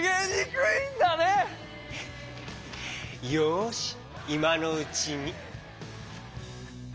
よしいまのうちに。